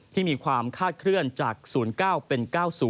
ที่มีความคาดเคลื่อนจาก๐๙เป็น๙๐